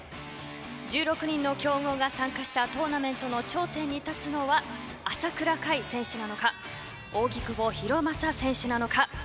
１６人の強豪が参加したトーナメントの頂点に立つのは朝倉海選手なのか扇久保博正選手なのか。